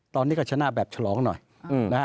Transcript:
ตอนนี้ก็ชนะแบบฉลองหน่อยนะฮะ